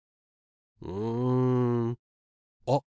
うんあっ